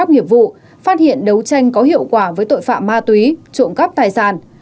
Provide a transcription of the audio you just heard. phát hiện đấu tranh có hiệu quả với tội phạm ma túy trộm cắp tài sản